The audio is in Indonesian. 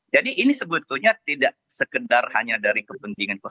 jadi ini sebetulnya tidak sekedar hanya dari kepentingan tiga